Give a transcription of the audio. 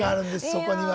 そこには。